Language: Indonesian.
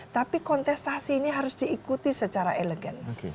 tapi kontestasi ini harus diikuti secara elegan